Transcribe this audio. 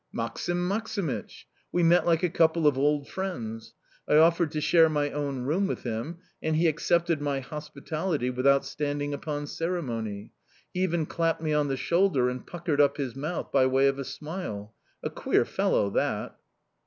Maksim Maksimych!... We met like a couple of old friends. I offered to share my own room with him, and he accepted my hospitality without standing upon ceremony; he even clapped me on the shoulder and puckered up his mouth by way of a smile a queer fellow, that!...